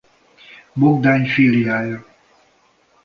Bogdány filiája.